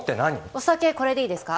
お酒これでいいですか？